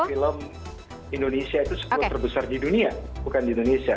film indonesia itu sepuluh terbesar di dunia bukan di indonesia